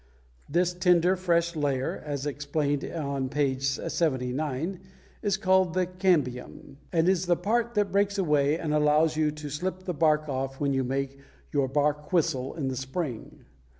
This tender, fresh layer (as explained on page 79) is called the cambium, and is the part that breaks away and allows you to slip the bark off when you make your bark whistle in the spring.